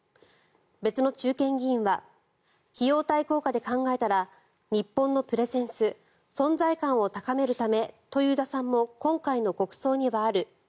別の中堅議員は費用対効果で考えたら日本のプレゼンス、存在感を高めるためという打算も今回の国葬にはある。